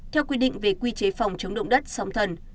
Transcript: theo quy định về quy chế phòng chống động đất sóng thần